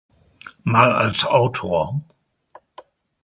Mal als Autor.